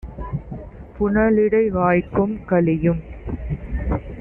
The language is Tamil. புனலிடை வாய்க்கும் கலியும்